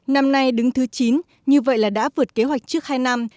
năm nay đứng thứ chín như vậy là đã vượt kế hoạch trước hai năm